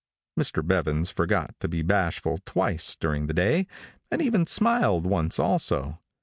Mr. Bevans forgot to be bashful twice during the day, and even smiled once also.